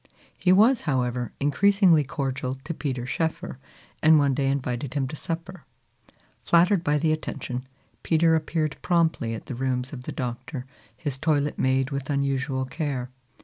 He was, however, increasingly cordial to Peter Schoeffer, and one day invited him to supper. Flattered by the attention, Peter appeared promptly at the rooms of the Doctor, his toilet made with unusual care.